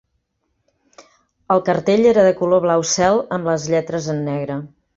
El cartell era de color blau cel, amb les lletres en negre.